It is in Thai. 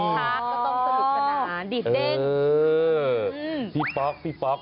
ก็ต้องสนุกขนาด